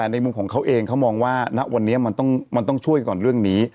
ในมุมของเขาเองเขามองว่าณวันนี้มันต้องช่วยก่อนเรื่องนี้